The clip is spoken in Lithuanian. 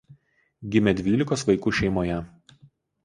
Gimė dvylikos vaikų šeimoje.